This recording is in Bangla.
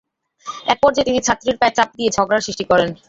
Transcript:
একপর্যায়ে তিনি ছাত্রীর পায়ে চাপ দিয়ে ঝগড়ার সৃষ্টি করেন।